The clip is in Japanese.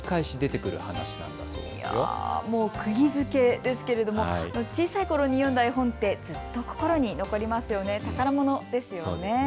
くぎづけですけれども小さいころに読んだ絵本ってずっと心に残りますよね。